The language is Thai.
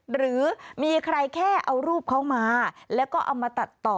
หรือมีใครแค่เอารูปเขามาแล้วก็เอามาตัดต่อ